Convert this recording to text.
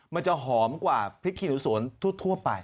มันจะหอมกว่าพริกขี้หนูสวนทั่วไป